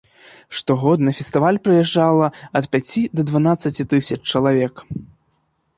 Штогод на фестываль прыязджала ад пяці да дванаццаці тысяч чалавек.